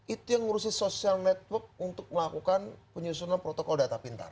itu yang ngurusi social network untuk melakukan penyusunan protokol data pintar